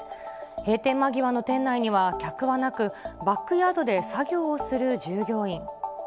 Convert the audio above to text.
閉店間際の店内には客はなく、バックヤードで作業をする従業員。